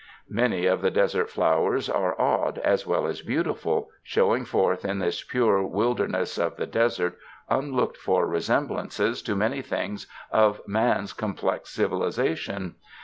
Many of the desert flowers are odd as well as beautiful, showing forth in this pure wilderness of the desert unlooked for resemblances to many things of man's complex civilization.